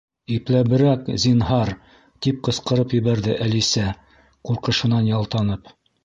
—Ипләберәк, зинһар, —тип ҡысҡырып ебәрҙе Әлисә, ҡурҡышынан ялтанып.